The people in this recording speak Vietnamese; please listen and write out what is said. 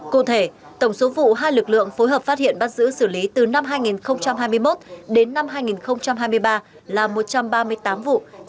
cụ thể tổng số vụ hai lực lượng phối hợp phát hiện bắt giữ xử lý từ năm hai nghìn hai mươi một đến năm hai nghìn hai mươi ba là một trăm ba mươi tám vụ